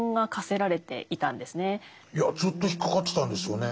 いやずっと引っ掛かってたんですよね。